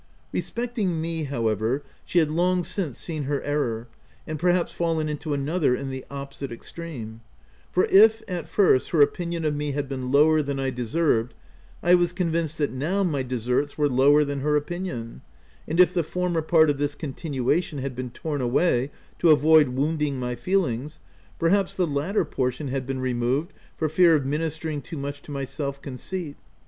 Respecting me, however, she had long since seen her error, and perhaps fallen into another in the opposite extreme ; for if, at first, her opinion of me had been lower than I deserved I was convinced that now my deserts were lower than her opinion ; and if the former part of this continuation had been torn away to avoid wounding my feelings, perhaps the latter portion had been removed for fear of ministering too much to my self conceit.